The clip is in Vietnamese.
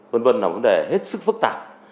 vân vân là vấn đề hết sức phức tạp